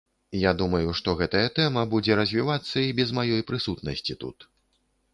Я думаю, што гэтая тэма будзе развівацца і без маёй прысутнасці тут.